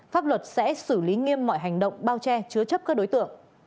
pháp luật sẽ xử lý nghiêm mọi hành động bao che chứa chấp các đối tượng